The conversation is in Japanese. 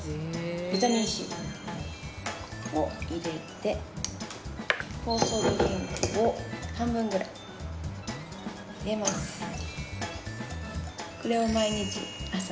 ビタミンＣを入れて酵素ドリンクを半分くらい入れます。